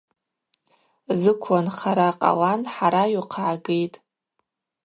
Зыквла нхара къалан хӏара йухъыгӏгитӏ.